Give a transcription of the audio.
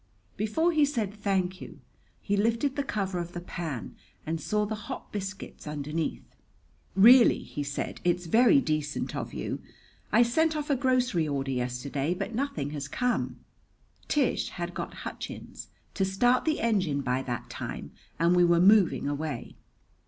Before he said "Thank you" he lifted the cover of the pan and saw the hot biscuits underneath. "Really," he said, "it's very decent of you. I sent off a grocery order yesterday, but nothing has come." Tish had got Hutchins to start the engine by that time and we were moving away.